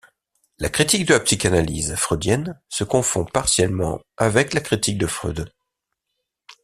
La critique de la psychanalyse freudienne se confond partiellement avec la critique de Freud.